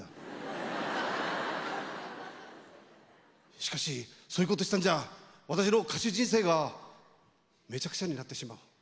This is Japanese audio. しかしそういうことしたんじゃ私の歌手人生がメチャクチャになってしまう。